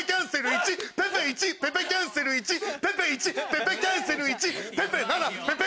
１ペペキャンセル１ペペ１ペペキャンセル１ぺぺ